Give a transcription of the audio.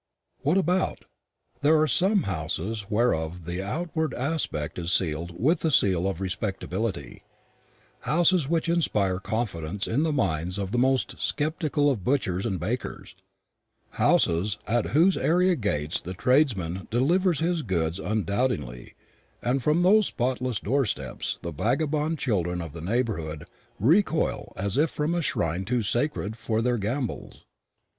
"What about?" There are some houses whereof the outward aspect is sealed with the seal of respectability houses which inspire confidence in the minds of the most sceptical of butchers and bakers houses at whose area gates the tradesman delivers his goods undoubtingly, and from whose spotless door steps the vagabond children of the neighbourhood recoil as from a shrine too sacred for their gambols.